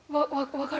分かる。